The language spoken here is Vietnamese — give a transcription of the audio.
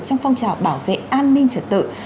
trong phong trào bảo vệ an ninh trật tự